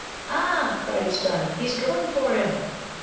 'Ah!' cried Ustâni, 'he's going for him!'